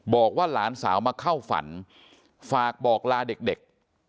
บอกว่าหลานสาวมาเข้าฝันฝากบอกลาเด็ก